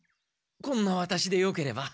こんなワタシでよければ。